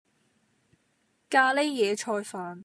咖喱野菜飯